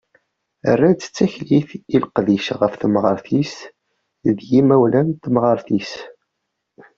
Rran-tt d taklit i leqdic ɣef temɣart-is d yimawlan n temɣart-is.